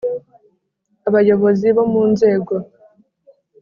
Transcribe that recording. Abayobozi bo mu Nzego